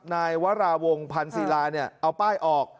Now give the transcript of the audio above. นายวราวงศ์พันธุ์ศิลาเนี่ยเอาป้ายออก